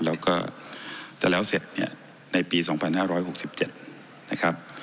แล้วก็จะแล้วเสร็จเนี่ยในปี๒๕๖๗นะครับ